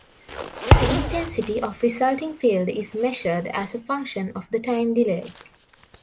The intensity of resulting field is measured as a function of the time delay.